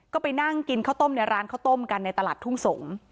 ก็ไปนั่งกินข้าวต้มในร้านข้าวต้มกันในตลาดทุ่งสงศ์